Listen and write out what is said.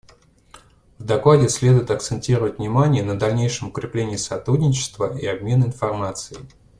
В докладе следует акцентировать внимание на дальнейшем укреплении сотрудничества и обмена информацией.